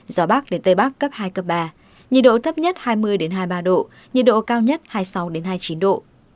gió bắc đến tây bắc cấp hai cấp ba nhiệt độ thấp nhất hai mươi hai mươi ba độ nhiệt độ cao nhất hai mươi sáu hai mươi chín độ